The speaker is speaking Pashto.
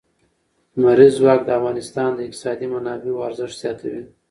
لمریز ځواک د افغانستان د اقتصادي منابعو ارزښت زیاتوي.